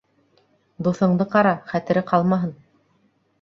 Дуҫыңды ҡара: хәтере ҡалмаһын